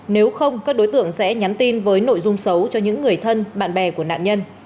nếu không các đối tượng sẽ nhắn tin với nội dung xấu cho những người thân bạn bè của nạn nhân